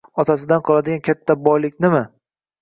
Otasidan qoladigan katta boyliknimi?